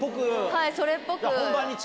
はいそれっぽく。